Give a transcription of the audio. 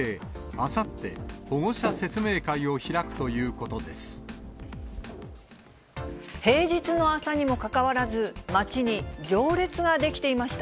あさって、保護者説明会を開くと平日の朝にもかかわらず、街に行列が出来ていました。